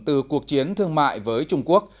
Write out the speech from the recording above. từ cuộc chiến thương mại với trung quốc